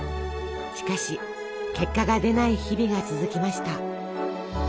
しかし結果が出ない日々が続きました。